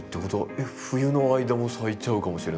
えっ冬の間も咲いちゃうかもしれないってことですよね。